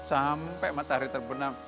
sampai matahari terbenam